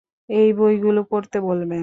এই বইগুলি পড়তে বলবেন।